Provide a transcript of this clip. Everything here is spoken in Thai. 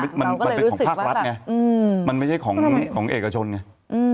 มันเป็นของภาครัฐไงมันไม่ใช่ของเอกชนไง